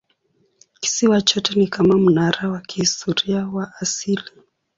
Kisiwa chote ni kama mnara wa kihistoria wa asili.